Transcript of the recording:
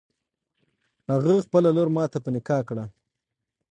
هغه خپله لور ماته په نکاح کړه.